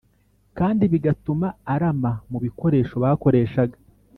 kandi bigatuma arama mu bikoresho bakoreshaga